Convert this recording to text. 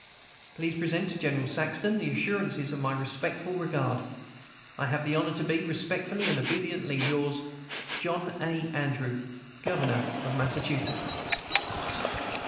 Please present to General Saxton the assurances of my respectful regard. I have the honor to be, respectfully and obediently yours, JOHN A. ANDREW, Governor of Massachusetts.